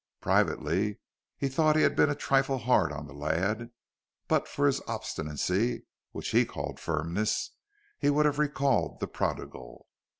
Privately, he thought he had been a trifle hard on the lad, and but for his obstinacy which he called firmness he would have recalled the prodigal.